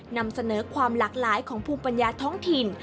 นำเสนอความหลากหลายของภูมิปัญญาท้องถิ่น